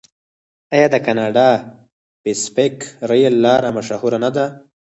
آیا د کاناډا پیسفیک ریل لار مشهوره نه ده؟